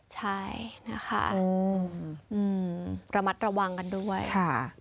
ใช่นะคะระมัดระวังกันด้วยค่ะ